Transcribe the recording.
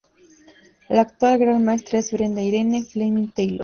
La actual Gran Maestra es Brenda Irene Fleming-Taylor